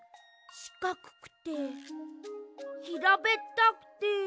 しかくくてひらべったくて。